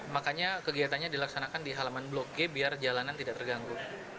makanya kegiatannya dilaksanakan di halaman blok g biar jalanan tidak terganggu